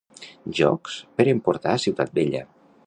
Jocs per emportar a Ciutat Vella.